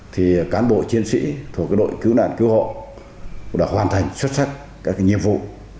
thì cán bộ chiến sĩ thuộc đội cứu nạn cứu hộ đã hoàn thành xuất sắc các nhiệm vụ